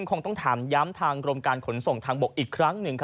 คงต้องถามย้ำทางกรมการขนส่งทางบกอีกครั้งหนึ่ง